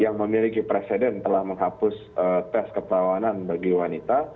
yang memiliki presiden telah menghapus tes kepelawanan bagi wanita